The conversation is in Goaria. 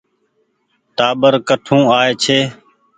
ٽآٻر ڪٺون آئي ڇي۔